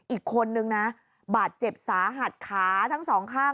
อีกคนนึงนะบาดเจ็บสาหัสขาทั้งสองข้าง